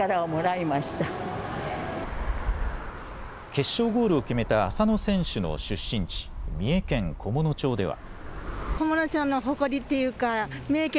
決勝ゴールを決めた浅野選手の出身地、三重県菰野町では。